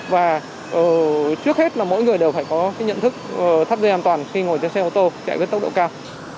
và trước hết là mỗi người đều phải có cái nhận thức thắt dây an toàn khi ngồi trên xe ô tô chạy với tốc độ cao